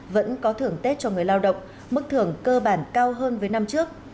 vẫn có thưởng tết cho người lao động mức thưởng cơ bản cao hơn với năm trước